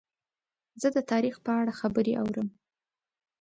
زه د تاریخ په اړه خبرې اورم.